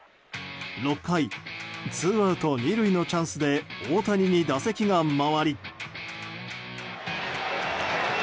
６回、ツーアウト２塁のチャンスで大谷に打席が回り。